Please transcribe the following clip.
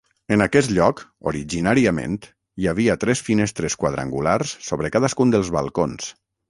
En aquest lloc, originàriament, hi havia tres finestres quadrangulars sobre cadascun dels balcons.